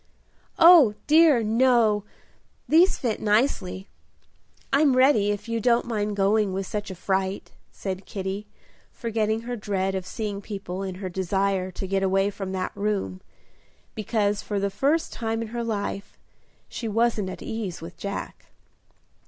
"Oh, dear, no! these fit nicely. I'm ready, if you don't mind going with such a fright," said Kitty, forgetting her dread of seeing people in her desire to get away from that room, because for the first time in her life she wasn't at ease with Jack.